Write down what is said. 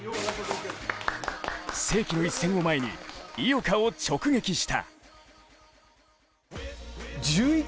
世紀の一戦を前に、井岡を直撃した。